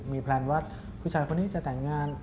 มีแพลนว่าผู้ชายคนนี้จะแต่งงาน